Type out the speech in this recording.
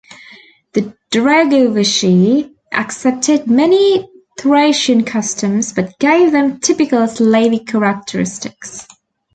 The Dragovichi accepted many Thracian customs, but gave them typical Slavic characteristics.